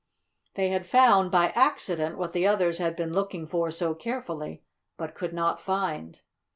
They had found, by accident, what the others had been looking for so carefully but could not find.